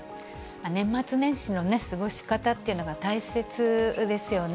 年末年始の過ごし方っていうのが、大切ですよね。